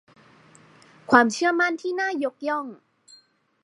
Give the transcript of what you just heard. ความเชื่อมั่นที่น่ายกย่อง